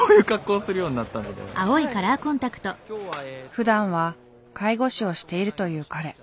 ふだんは介護士をしているという彼。